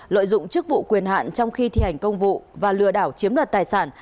lợi dụng chức vụ quyền hạn trong khi thi hành công vụ và lừa đảo chiếm đoạt tài sản